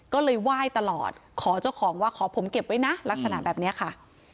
ก็เลยไหว้ตลอดขอเจ้าของว่าขอผมเก็บไว้นะลักษณะแบบนี้ค่ะ